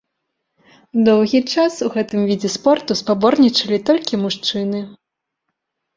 Доўгі час у гэтым відзе спорту спаборнічалі толькі мужчыны.